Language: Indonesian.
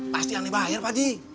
pasti aneh bayar pak ji